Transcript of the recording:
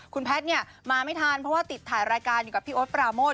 คุณแพทย์เนี่ยมาไม่ทันเพราะว่าติดถ่ายรายการอยู่กับพี่โอ๊ตปราโมท